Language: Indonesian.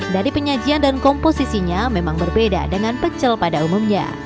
dari penyajian dan komposisinya memang berbeda dengan pecel pada umumnya